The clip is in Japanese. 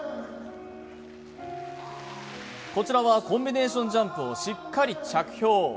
こちらはコンビネーションジャンプをしっかり着氷。